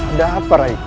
ada apa raiku